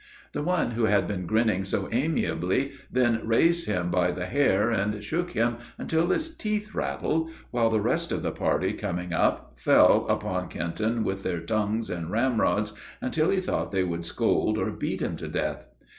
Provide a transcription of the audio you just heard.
The one, who had been grinning so amiably, then raised him by the hair and shook him until his teeth rattled, while the rest of the party coming up, fell upon Kenton with their tongues and ramrods, until he thought they would scold or beat him to death.